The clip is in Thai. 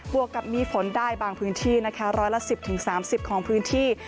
วกกับมีฝนได้บางพื้นที่นะคะร้อยละ๑๐๓๐ของพื้นที่